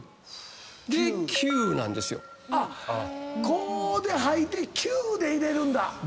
「呼」で吐いて「吸」で入れるんだ。